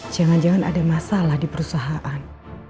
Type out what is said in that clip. jangan jangan ada masalah di perusahaan